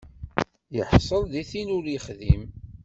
Iḥṣel di tin ur ixdim.